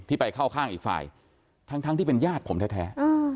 ไปเข้าข้างอีกฝ่ายทั้งที่เป็นญาติผมแท้